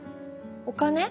お金？